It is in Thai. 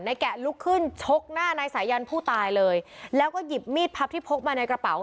แกะลุกขึ้นชกหน้านายสายันผู้ตายเลยแล้วก็หยิบมีดพับที่พกมาในกระเป๋า